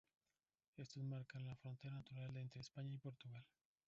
Estos marcan la frontera natural entre España y Portugal.